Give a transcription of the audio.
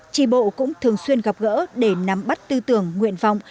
trì bộ cũng thường xuyên gặp gỡ để nắm bắt tư tưởng nguyện vọng